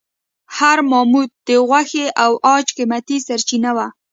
هر ماموت د غوښې او عاج قیمتي سرچینه وه.